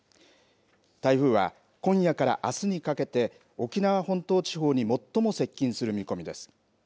台風は今夜からあすにかけて沖縄本島地方に最も接近する見込みです。